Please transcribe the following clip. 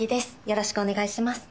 よろしくお願いします。